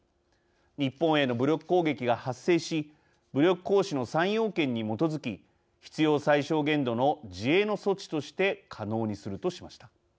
「日本への武力攻撃が発生し武力行使の３要件に基づき必要最小限度の自衛の措置として可能にする」としました。